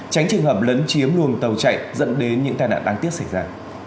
tránh trường hợp lấn chiếm luồng tàu chạy dẫn đến những tai nạn đáng tiếc xảy ra